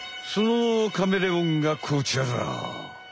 そのカメレオンがこちらだ！